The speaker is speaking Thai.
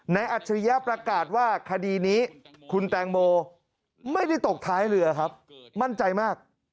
อัจฉริยะประกาศว่าคดีนี้คุณแตงโมไม่ได้ตกท้ายเรือครับมั่นใจมาก